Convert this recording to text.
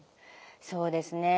そうですね。